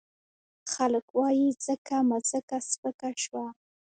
خلګ وايي ځکه مځکه سپکه شوه.